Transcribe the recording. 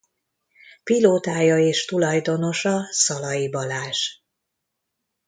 Pilótája és tulajdonosa Szalay Balázs.